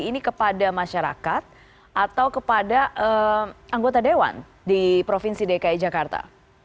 ini kepada masyarakat atau kepada anggota dewan di provinsi dki jakarta